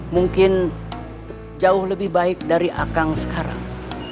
mungkin jauh lebih baik dari akang sekarang